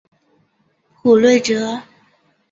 卜睿哲。